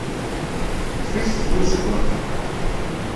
Teṭṭef-it tbuzeggaɣt.